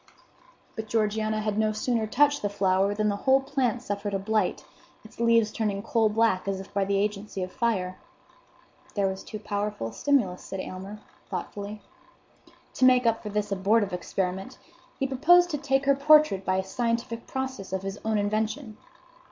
But Georgiana had no sooner touched the flower than the whole plant suffered a blight, its leaves turning coal black as if by the agency of fire. "There was too powerful a stimulus," said Aylmer, thoughtfully. To make up for this abortive experiment, he proposed to take her portrait by a scientific process of his own invention.